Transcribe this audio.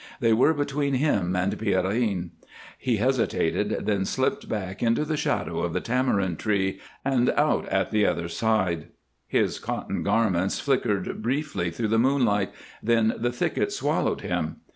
They were between him and Pierrine. He hesitated, then slipped back into the shadow of the tamarind tree, and out at the other side; his cotton garments flickered briefly through the moonlight, then the thicket swallowed him.